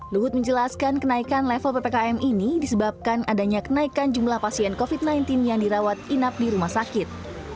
luhut menjelaskan kenaikan level ppkm ini disebabkan adanya kenaikan jumlah pasien covid sembilan belas yang dirawat inap di rumah sakit